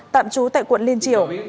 tạm chú tại quận liên triều